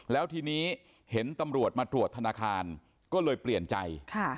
แล้วทีนี้เห็นตำรวจมาตรวจธนาคารก็เลยเปลี่ยนใจ